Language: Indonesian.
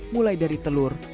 mulai dari telur